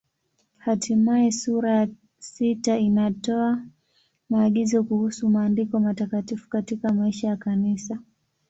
Hatimaye sura ya sita inatoa maagizo kuhusu Maandiko Matakatifu katika maisha ya Kanisa.